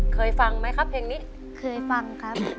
เคยฟังไหมครับเพลงนี้เคยฟังครับ